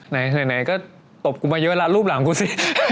ไหนก็ตบกูมาเยอะแล้วรูปหลังกูสิ